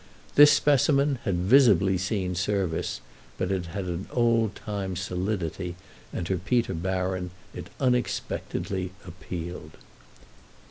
This specimen had visibly seen service, but it had an old time solidity and to Peter Baron it unexpectedly appealed.